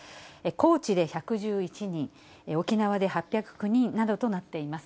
高知で１１１人、沖縄で８０９人などとなっています。